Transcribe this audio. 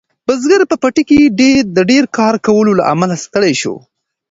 بزګر په پټي کې د ډیر کار کولو له امله ستړی شو.